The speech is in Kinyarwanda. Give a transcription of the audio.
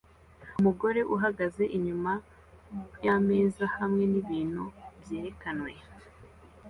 Umugore ahagaze inyuma yameza hamwe nibintu byerekanwe